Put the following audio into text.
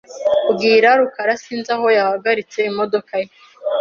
Bwira rukara Sinzi aho yahagaritse imodoka ye .